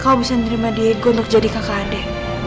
kau bisa nerima diriku untuk jadi kakak adik